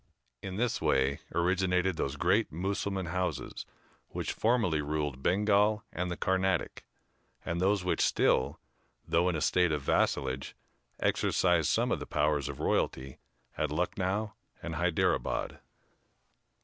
In this way originated those great Mussulman houses which formerly ruled Bengal and the Carnatic, and those which still, though in a state of vassalage, exercise some of the powers of royalty at Lucknow and Hyderabad.